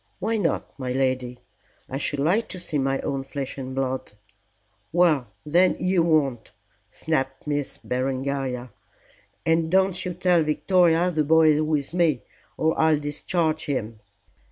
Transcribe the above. "Why not, my lady? I should like to see my own flesh and blood." "Well, then, you won't," snapped Miss Berengaria. "And don't you tell Victoria the boy is with me, or I'll discharge him."